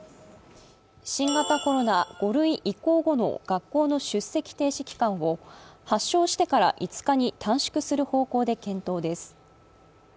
新型コロナ５類移行後の学校の出席停止期間を発症してから５日に短縮する方向で検討です。